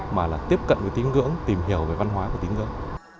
mà là tiếp cận với tín ngưỡng tìm hiểu về văn hóa của tín ngưỡng